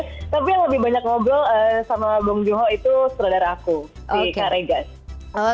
oke tapi yang lebih banyak ngobrol sama bong joon ho itu saudara aku si kak regan